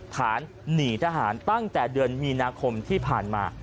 ฐานหนีทหารตั้งแต่เดือนมีนาคมที่ผ่านมา